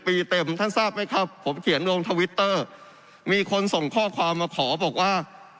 ผมเขียนลงทวิตเตอร์มีคนส่งข้อความมาขอบอกว่า